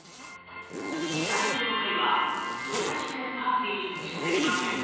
第４回はもやしでパーティーしてみませんか？